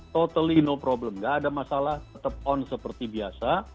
totally know problem nggak ada masalah tetap on seperti biasa